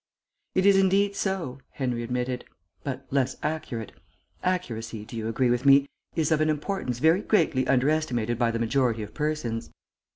"It is indeed so," Henry admitted. "But less accurate. Accuracy do you agree with me? is of an importance very greatly underestimated by the majority of persons."